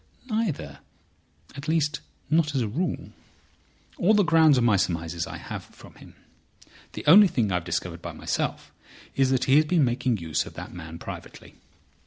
"Neither—at least not as a rule. All the grounds of my surmises I have from him. The only thing I've discovered by myself is that he has been making use of that man privately.